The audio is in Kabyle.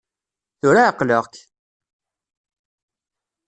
Tura ɛeqleɣ-k!